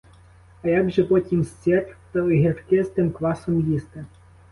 А як же потім сир та огірки з тим квасом їсти?